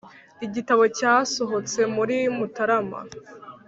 Igitabo cyasohotse muri Mutarama